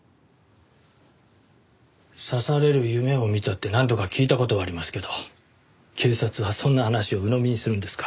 刺される夢を見たって何度か聞いた事はありますけど警察はそんな話をうのみにするんですか。